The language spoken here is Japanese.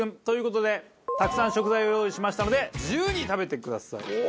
という事でたくさん食材を用意しましたので自由に食べてください。